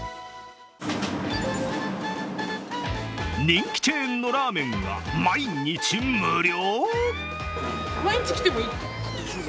人気チェーンのラーメンが毎日無料？